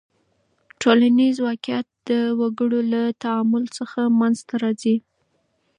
ټولنیز واقعیت د وګړو له تعامل څخه منځ ته راځي.